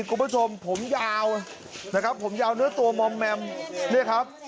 คุณผู้ชมผมยาวนะครับผมยาวเนื้อตัวมอมแมมเนี่ยครับ